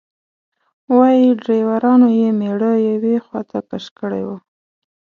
وایي ډریورانو یې میړه یوې خواته کش کړی و.